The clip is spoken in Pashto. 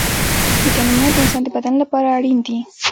ويټامينونه د انسان د بدن لپاره اړين دي.